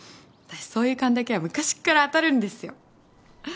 私そういう勘だけは昔っから当たるんですよ。